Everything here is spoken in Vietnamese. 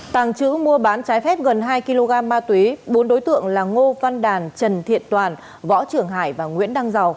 tàng trữ mua bán trái phép gần hai kg ma túy bốn đối tượng là ngô văn đàn trần thiện toàn võ trưởng hải và nguyễn đăng giàu